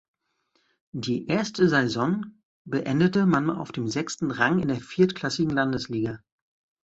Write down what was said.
Die erste Saison beendete man auf dem sechsten Rang in der viertklassigen Landesliga.